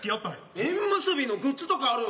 縁結びのグッズとかあるの？